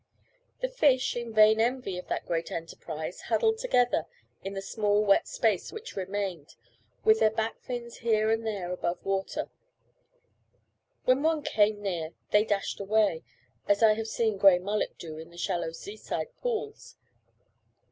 The fish, in vain envy of that great enterprise, huddled together in the small wet space which remained, with their back fins here and there above water. When any one came near, they dashed away, as I have seen grey mullet do in the shallow sea side pools.